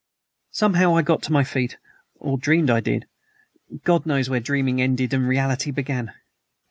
"Somehow I got upon my feet, or dreamed I did God knows where dreaming ended and reality began.